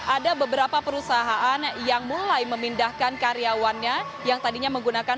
ada beberapa perusahaan yang mulai memindahkan karyawannya yang tadinya menggunakan